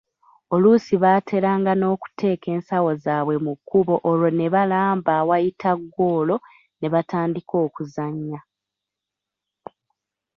Oluusi baateranga n'okuteeka ensawo zaabwe mu kkubo olwo nebaalamba awayita ggoolo ne batandika okuzannya.